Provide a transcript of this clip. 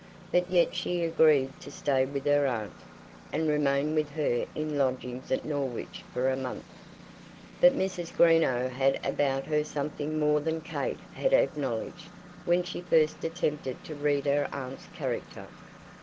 But yet she agreed to stay with her aunt, and remain with her in lodgings at Norwich for a month. But Mrs. Greenow had about her something more than Kate had acknowledged when she first attempted to read her aunt's character.